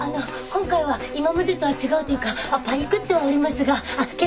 今回は今までとは違うというかパニクってはおりますが決して。